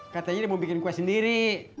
katanya dia mau bikin kue sendiri